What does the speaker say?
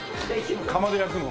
窯で焼くの？